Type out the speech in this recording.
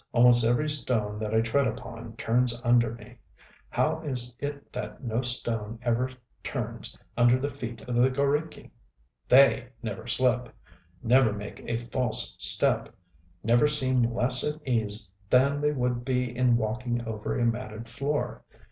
Almost every stone that I tread upon turns under me. How is it that no stone ever turns under the feet of the g┼Źriki? They never slip, never make a false step, never seem less at ease than they would be in walking over a matted floor.